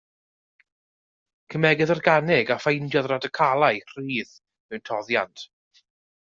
Cemegydd organig a ffeindiodd radicalau rhydd mewn toddiant.